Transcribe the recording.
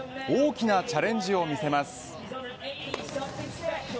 大きなチャレンジを見せます。